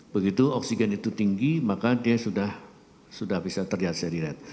begitu oksigen itu tinggi maka dia sudah bisa terlihat seri red